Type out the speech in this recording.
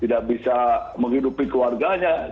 tidak bisa menghidupi keluarganya